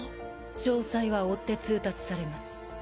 詳細は追って通達されます。